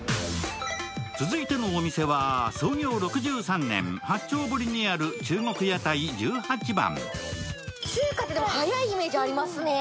続いてのお店は創業６３年八丁堀にある中国屋台十八番。